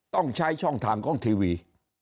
ต้องใช้ช่องทางของทีวี